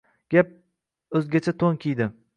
Gap... o‘zgacha to‘n kiydi: